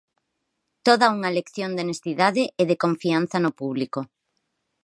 Toda unha lección de honestidade e de confianza no público.